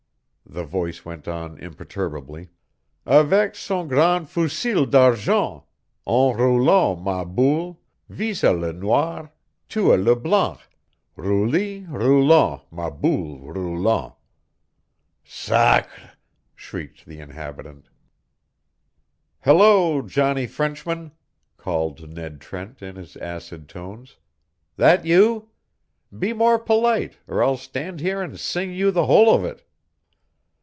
The voice went on imperturbably: "Avec son grand fusil d'argent, En roulant ma boule, Visa le noir, tua le blanc, Rouli roulant, ma boule roulant." "Sacrè!" shrieked the habitant. "Hello, Johnny Frenchman!" called Ned Trent, in his acid tones. "That you? Be more polite, or I'll stand here and sing you the whole of it."